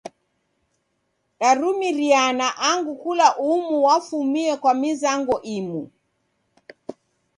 Darumiriana angu kula umu wafumie kwa mizango imu.